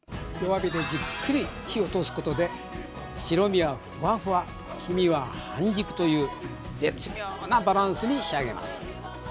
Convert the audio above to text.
弱火でじっくり火を通すことで白身はフワフワ黄身は半熟という絶妙なバランスに仕上げます。